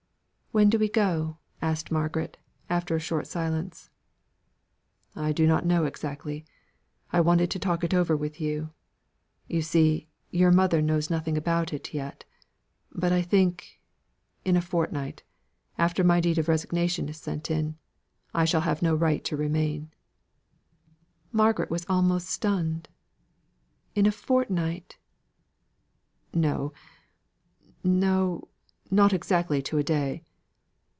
"When do we go?" asked Margaret, after a short silence. "I do not know exactly. I wanted to talk it over with you. You see, your mother knows nothing about it yet: but I think, in a fortnight; after my deed of resignation is sent in, I shall have no right to remain." Margaret was almost stunned. "In a fortnight!" "No no, not exactly to a day.